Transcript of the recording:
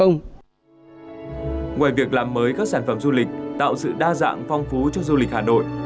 ngoài việc làm mới các sản phẩm du lịch tạo sự đa dạng phong phú cho du lịch hà nội